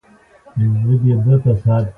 س ش ښ ص ض ط ظ ع غ ف ق ک ګ